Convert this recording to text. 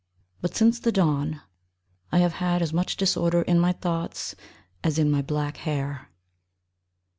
But since the dawn I have had as much disorder in my thoughts As in my black hair.